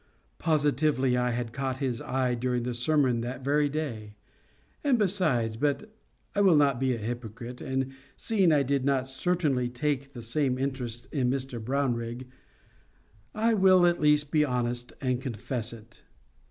Positively I had caught his eye during the sermon that very day. And, besides—but I will not be a hypocrite; and seeing I did not certainly take the same interest in Mr Brownrigg, I will at least be honest and confess it.